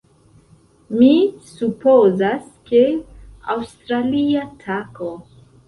Mi supozas, ke... aŭstralia tako!